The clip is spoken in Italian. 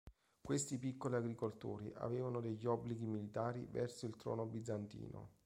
Questi piccoli agricoltori avevano degli obblighi militari verso il trono bizantino.